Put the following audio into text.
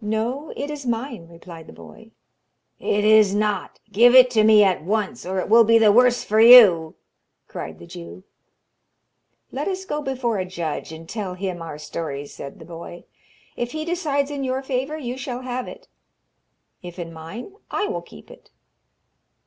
'No, it is mine,' replied the boy. 'It is not. Give it to me at once, or it will be the worse for you!' cried the Jew. 'Let us go before a judge, and tell him our stories,' said the boy. 'If he decides in your favour, you shall have it; if in mine, I will keep it!'